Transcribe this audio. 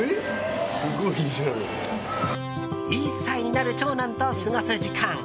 １歳になる長男と過ごす時間。